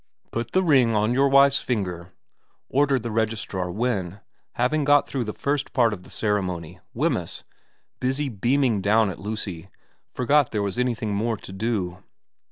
' Put the ring on your wife's finger,' ordered the registrar when, having got through the first part of the ceremony, Wemyss, busy beaming down at Lucy, forgot there was anything more to do.